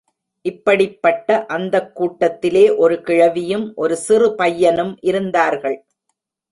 இப்படிப்பட்ட அந்தக் கூட்டத்திலே ஒரு கிழவியும் ஒரு சிறு பையனும் இருந்தார்கள்.